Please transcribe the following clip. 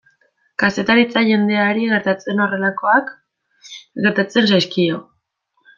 Kazetaritza jendeari gertatzen horrelakoak gertatzen zaizkio.